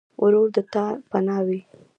ورور د تا پناه وي.